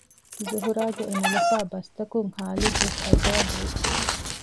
ޒުހުރާގެ އެނުލަފާ ބަސްތަކުން ހާލިދުވެސް އަޖައިބު ވި